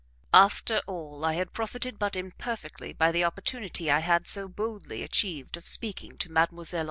AFTER all I had profited but imperfectly by the opportunity I had so boldly achieved of speaking to Mdlle.